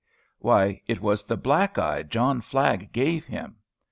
Why, it was the black eye John Flagg gave him.